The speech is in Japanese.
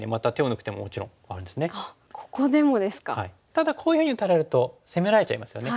ただこういうふうに打たれると攻められちゃいますよね。